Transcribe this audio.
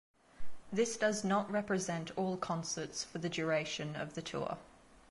This does not represent all concerts for the duration of the tour.